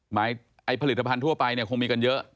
หมายความว่าผลิตภัณฑ์ทั่วไปเนี่ยคงมีกันเยอะ